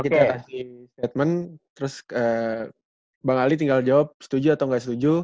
kita kasih statement terus bang ali tinggal jawab setuju atau nggak setuju